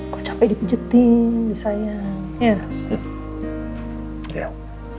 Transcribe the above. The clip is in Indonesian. kok capek dipijetin disayang